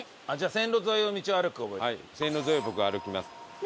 線路沿いを僕が歩きます。